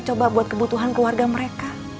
coba buat kebutuhan keluarga mereka